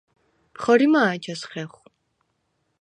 ხორიმა̄ ეჩას ხეხვ?